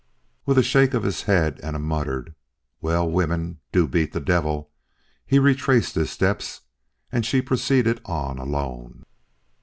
With a shake of his head and a muttered, "Well, women do beat the devil!" he retraced his steps; and she proceeded on alone.